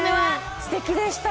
すてきでした。